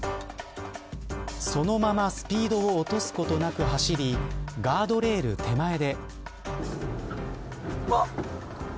そのままスピードを落とすことなく走りガードレール手前で。